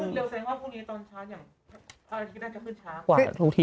ใส่ห้องพรุ่งนี้ตอนช้าอย่างพระอาทิตย์น่าจะขึ้นช้ากว่าทุกที